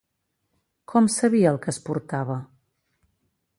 Com sabia el que es portava?